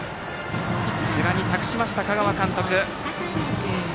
寿賀に託しました、香川監督。